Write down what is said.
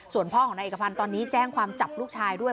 ส่วนพ่อของนายเอกพันธ์ตอนนี้แจ้งความจับลูกชายด้วย